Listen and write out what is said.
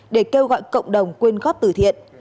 để kêu gọi cộng đồng quên góp từ thiện